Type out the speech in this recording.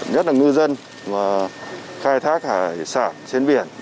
nhất là ngư dân khai thác hải sản trên biển